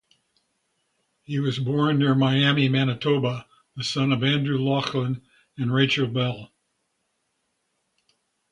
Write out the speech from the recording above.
He was born near Miami, Manitoba, the son of Andrew Laughlin and Rachel Bell.